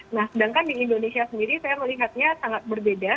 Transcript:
nah sedangkan di indonesia sendiri saya melihatnya sangat berbeda